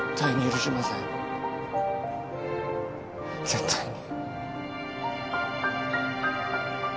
絶対に。